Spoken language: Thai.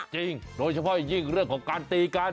จริงโดยเฉพาะอีกเรื่องเรื่องของการตีกัน